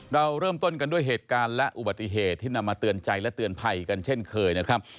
เราเริ่มต้นกันด้วยเหตุการณ์และอุบัติเหตุที่นำมาเตือนใจและเตือนภัยกันเช่นเคยนะครับ